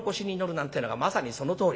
なんてえのがまさにそのとおり。